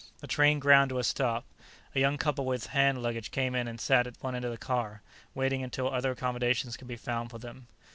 The train ground to a stop. A young couple with hand luggage came in and sat at one end of the car, waiting until other accommodations could be found for them.